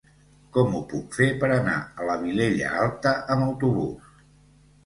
Com ho puc fer per anar a la Vilella Alta amb autobús?